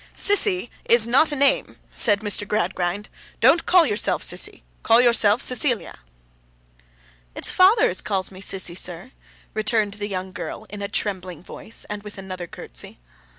'Sissy is not a name,' said Mr. Gradgrind. 'Don't call yourself Sissy. Call yourself Cecilia.' 'It's father as calls me Sissy, sir,' returned the young girl in a trembling voice, and with another curtsey.